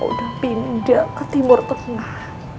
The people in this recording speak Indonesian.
udah pindah ke timur tengah